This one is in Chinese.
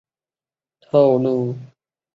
不会透漏他们的位置